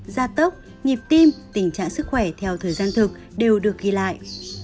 gia tốc nhịp tim tình trạng sức khỏe theo thời gian thực đều được ghi lại